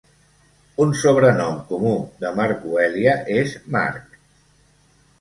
Un sobrenom comú de "Markuelia" és "Mark".